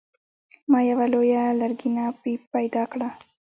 ما یوه لویه لرګینه پیپ پیدا کړه.